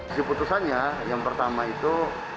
isi putusannya yang pertama itu